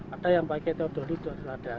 ada yang pakai teropong dulu ada